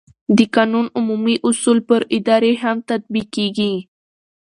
د قانون عمومي اصول پر ادارې هم تطبیقېږي.